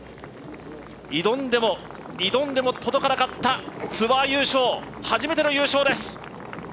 挑んでも、挑んでも届かなかったツアー優勝初めての優勝です！